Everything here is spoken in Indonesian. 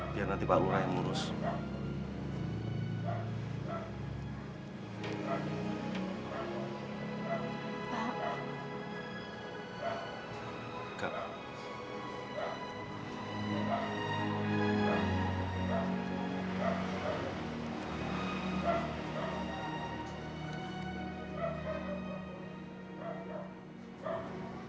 lebih baik uang ini kita serahkan aja sama pak nurah